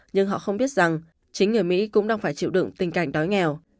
nhưng họ không biết rằng chính người mỹ cũng đang phải chịu đựng tình cảnh đói nghèo